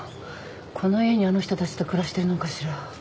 この家にあの人たちと暮らしてるのかしら？